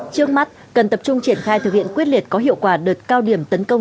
trước mắt cần tập trung triển khai thực hiện quyết liệt có hiệu quả đợt cao điểm tấn công